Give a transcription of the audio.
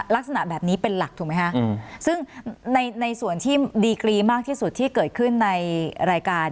ลักษณะแบบนี้เป็นหลักถูกไหมคะซึ่งในในส่วนที่ดีกรีมากที่สุดที่เกิดขึ้นในรายการ